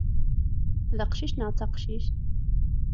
D aqcic neɣ d taqcict?